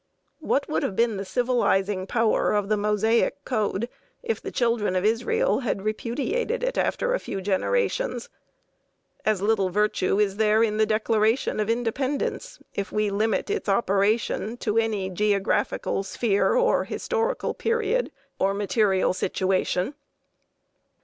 What would have been the civilizing power of the Mosaic Code if the Children of Israel had repudiated it after a few generations? As little virtue is there in the Declaration of Independence if we limit its operation to any geographical sphere or historical period or material situation.